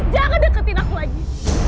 jangan deketin aku lagi